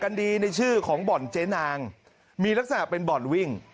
ดีในชื่อของบ่อนเจ๊นางมีลักษณะเป็นบ่อนวิ่ง